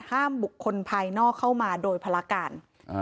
ห้ามบุคคลภายนอกเข้ามาโดยภารการ